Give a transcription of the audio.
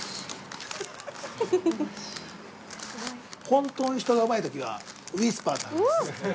本当に人がうまいときはウィスパーになるんですね。